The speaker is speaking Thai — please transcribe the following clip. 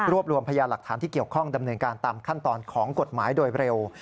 รวมรวมพยาหลักฐานที่เกี่ยวข้องดำเนินการตามขั้นตอนของกฎหมายโดยเร็ว